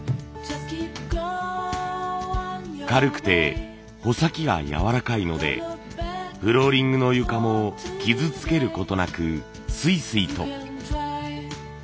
軽くて穂先がやわらかいのでフローリングの床も傷つけることなくスイスイと。